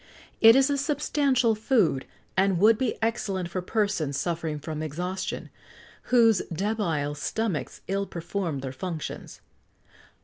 It is a substantial food, and would be excellent for persons suffering from exhaustion, whose debile stomachs ill perform their functions.